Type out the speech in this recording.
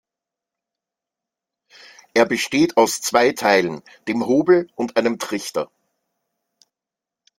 Er besteht aus zwei Teilen: dem Hobel und einem Trichter.